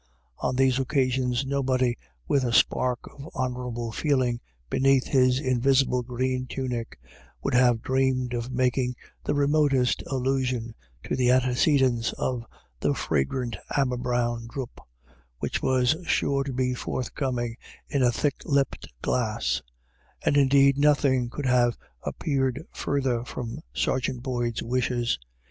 On these occasions nobody with a spark of honourable feeling beneath his invisible green tunic would have dreamed of making the remotest allusion to the antecedents of the fragrant amber brown " dhrop " which was sure to be forthcoming in a thick lipped glass; and indeed nothing could have appeared further from Sergeant Boyd's wishes.